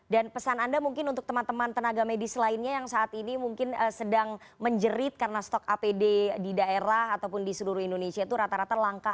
pesan anda mungkin untuk teman teman tenaga medis lainnya yang saat ini mungkin sedang menjerit karena stok apd di daerah ataupun di seluruh indonesia itu rata rata langka